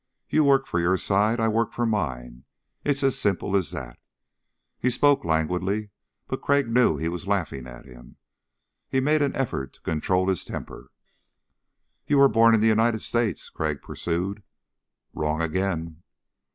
You work for your side ... I work for mine. It's as simple as that." He spoke languidly but Crag knew he was laughing at him. He made an effort to control his his temper. "You were born in the United States," Crag pursued. "Wrong again."